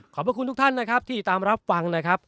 ขอบคุณทุกท่านนะครับที่ตามรับฟังนะครับ